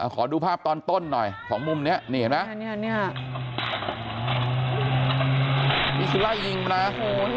ขอดูภาพตอนต้นหน่อยของมุมนี้นี่เห็นไหมมีสุไล่ยิงมานะ